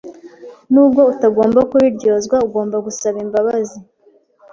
Nubwo utagomba kubiryozwa, ugomba gusaba imbabazi.